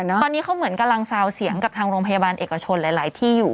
ตอนนี้เขาเหมือนกำลังซาวเสียงกับทางโรงพยาบาลเอกชนหลายที่อยู่